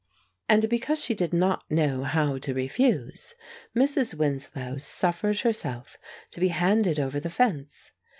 And because she did not know how to refuse, Mrs. Winslow suffered herself to be handed over the fence.